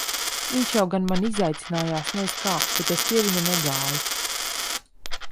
Viņš jau gan mani izaicinājās nez kā, bet es pie viņa negāju.